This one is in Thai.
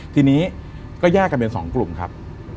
ทีนี้ก็แยกกันเป็น๒กลุ่มครับ